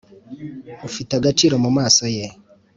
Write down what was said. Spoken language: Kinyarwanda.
Ufite agaciro mu maso ye